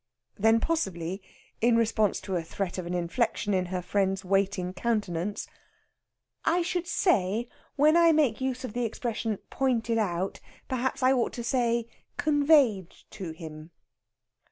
Then possibly, in response to a threat of an inflexion in her friend's waiting countenance, "I should say, when I make use of the expression 'pointed out,' perhaps I ought to say 'conveyed to him.'"